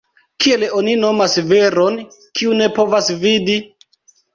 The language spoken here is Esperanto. Kiel oni nomas viron, kiu ne povas vidi?